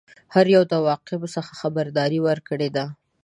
هر یوه د عواقبو څخه خبرداری ورکړی دی.